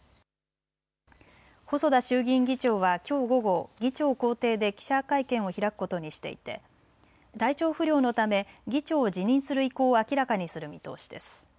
細田衆議院議長はきょう午後、議長公邸で記者会見を開くことにしていて体調不良のため議長を辞任する意向を明らかにする見通しです。